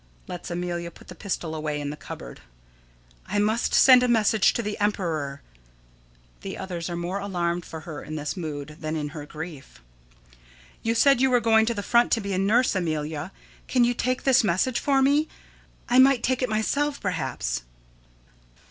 [Lets Amelia put the pistol away in the cupboard.] I must send a message to the emperor. [The others are more alarmed for her in this mood than in her grief.] You said you were going to the front to be a nurse, Amelia. Can you take this message for me? I might take it myself, perhaps.